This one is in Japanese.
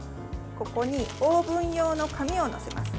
ここにオーブン用の紙を載せます。